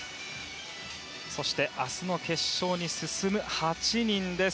明日の決勝に進む８人です。